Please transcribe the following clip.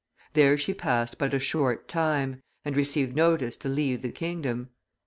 There she passed but a short time, and received notice to leave the kingdom.